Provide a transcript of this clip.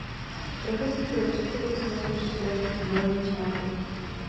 Profesí byl předsedou Svazu slovenských železničářů.